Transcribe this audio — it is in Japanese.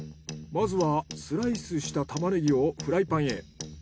まずはスライスしたタマネギをフライパンへ。